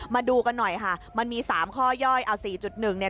มาดูกันหน่อยมันมี๓ข้อย่อย